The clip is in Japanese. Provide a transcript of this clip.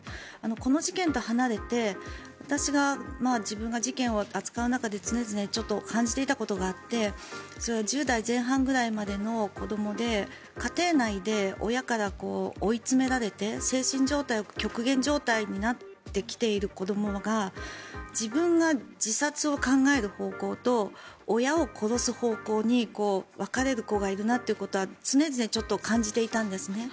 この事件と離れて私が自分が事件を扱う中で常々感じていたことがあってそれは１０代前半ぐらいまでの子どもで家庭内で親から追い詰められて精神状態が極限状態になってきている子どもが自分が自殺を考える方向と親を殺す方向に分かれる子がいるなということは常々感じていたんですね。